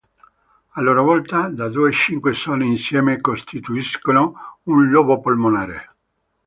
A loro volta, da due a cinque zone insieme costituiscono un "lobo" polmonare.